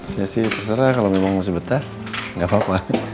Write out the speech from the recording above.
saya sih terserah kalau memang masih betah nggak apa apa